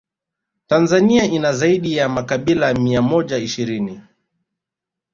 Tanzania ina zaidi ya makabila mia moja ishirini